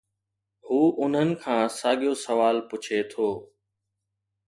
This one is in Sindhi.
هو انهن کان ساڳيو سوال پڇي ٿو